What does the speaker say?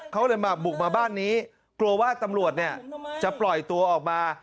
เขาเลยมาบุกมาบ้านนี้กลัวว่าตำรวจเนี่ยจะปล่อยตัวออกมา